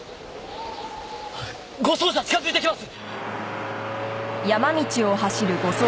護送車近づいてきます！